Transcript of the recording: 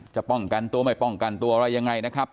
จะป้องกันตัวไม่ป้องกันตัวอะไรยังไงนะครับ